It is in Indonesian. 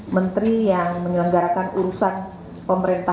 menteri yang menyelenggarakan urusan pemerintah